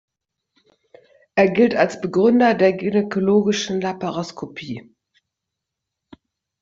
Er gilt als Begründer der gynäkologischen Laparoskopie.